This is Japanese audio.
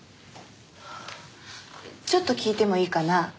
ちょっと聞いてもいいかな？